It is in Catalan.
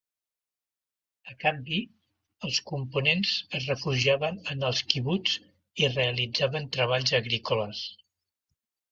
A canvi, els components es refugiaven en el quibuts i realitzaven treballs agrícoles.